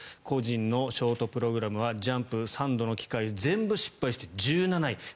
個人のショートプログラムはジャンプ３度の機会で全部失敗して１７位。